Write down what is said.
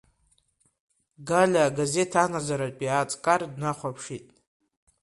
Галиа агазеҭ анаӡаратәи аҵкар днахәаԥшит…